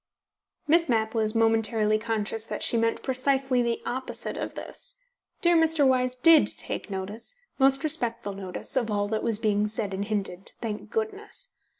Miss Mapp was momentarily conscious that she meant precisely the opposite of this. Dear Mr. Wyse DID take notice, most respectful notice, of all that was being said and hinted, thank goodness!